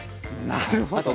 なるほど。